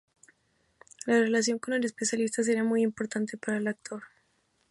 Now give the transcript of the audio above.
La relación con el especialista sería muy importante para el actor.